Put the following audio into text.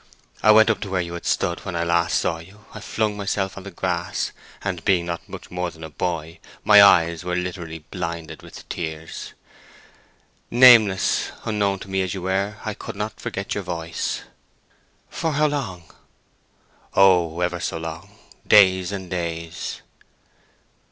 I went up to where you had stood when I last saw you—I flung myself on the grass, and—being not much more than a boy—my eyes were literally blinded with tears. Nameless, unknown to me as you were, I couldn't forget your voice." "For how long?" "Oh—ever so long. Days and days."